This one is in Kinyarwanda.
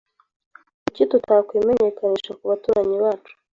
Kuki tutakwimenyekanisha kubaturanyi bacu?